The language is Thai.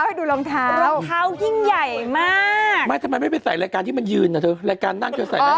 ให้ดูรองเท้ารองเท้าขึ้นใหญ่มากว่าไม่ไปใส่รายการที่มันยืนเลย